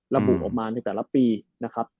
ระบุออกมาในแต่ละปีนะครับ